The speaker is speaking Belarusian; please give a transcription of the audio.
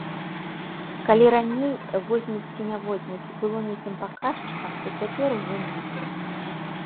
Калі раней, возьмуць ці не возьмуць, было нейкім паказчыкам, то цяпер ужо не.